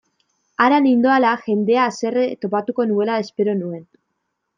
Hara nindoala, jendea haserre topatuko nuela espero nuen.